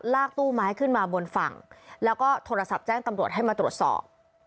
ตู้ไม้ขึ้นมาบนฝั่งแล้วก็โทรศัพท์แจ้งตำรวจให้มาตรวจสอบ